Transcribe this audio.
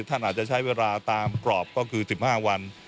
ท่านอาจจะใช้เวลาตามปรอบ๑๕วัน